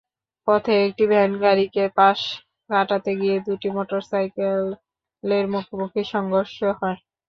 পথে একটি ভ্যানগাড়িকে পাশ কাটাতে গিয়ে দুটি মোটরসাইকেলের মুখোমুখি সংঘর্ষ হয়।